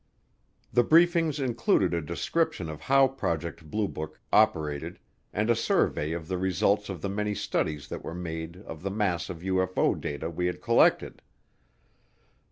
The briefings included a description of how Project Blue Book operated and a survey of the results of the many studies that were made of the mass of UFO data we had collected.